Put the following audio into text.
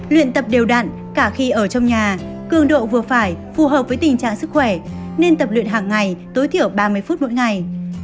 luyện tập đều đạn cả khi ở trong nhà cương độ vừa phải phù hợp với tình trạng sức khỏe nên tập luyện hàng ngày tối thiểu ba mươi phút mỗi ngày